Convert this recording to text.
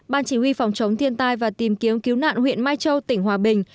ban chỉ huy phòng chống thiên tai và tìm kiếm cứu nạn huyện mai châu tỉnh hòa bình